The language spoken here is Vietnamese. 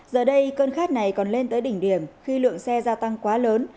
giờ đây cơn khát này còn lên tới đỉnh điểm khi lượng xe gia tăng quá lớn